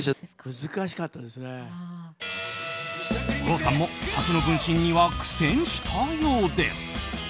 郷さんも初の分身には苦戦したようです。